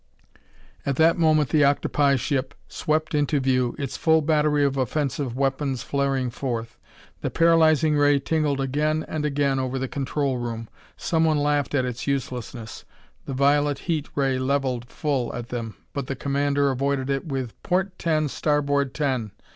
At that moment the octopi ship swept into view, its full battery of offensive weapons flaring forth. The paralyzing ray tingled again and again over the control room. Someone laughed at its uselessness. The violet heat ray leveled full at them, but the commander avoided it with "Port ten, starboard ten!